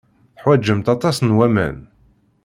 Teḥwajemt aṭas n waman.